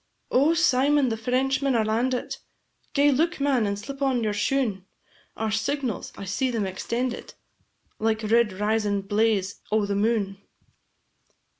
"O Symon, the Frenchmen are landit! Gae look man, and slip on your shoon; Our signals I see them extendit, Like red risin' blaze o' the moon!"